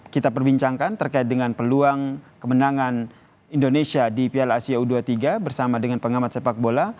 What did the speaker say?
kita perbincangkan terkait dengan peluang kemenangan indonesia di piala asia u dua puluh tiga bersama dengan pengamat sepak bola